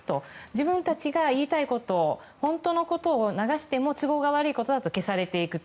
自分たちが言いたいこと本当のことを流しても、都合が悪いことだと消されていく。